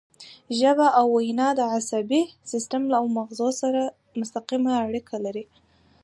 ژبه او وینا د عصبي سیستم او مغزو سره مستقیمه اړیکه لري